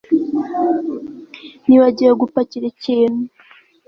Nibagiwe gupakira ikintu